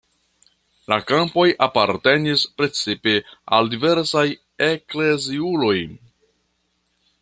La kampoj apartenis precipe al diversaj ekleziuloj.